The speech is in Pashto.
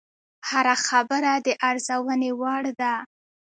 هره خبره د ارزونې وړ ده